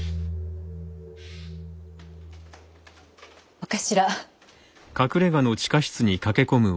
お頭。